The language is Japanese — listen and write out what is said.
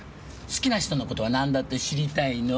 好きな人の事は何だって知りたいの。